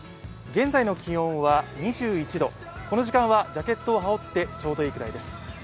現在の気温は２１度、この時間はジャケットを羽織って、ちょうどいいくらいです。